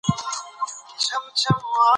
دا ژورنال په نولس سوه نهه شپیته کې جوړ شو.